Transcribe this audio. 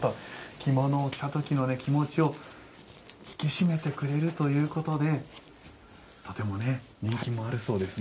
着物を着た時の気持ちを引き締めてくれるということでとてもね人気もあるそうですね。